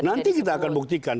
nanti kita akan buktikan